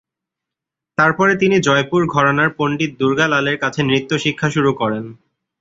তারপরে তিনি জয়পুর ঘরানার পণ্ডিত দুর্গা লালের কাছে নৃত্য শিক্ষা শুরু করেন।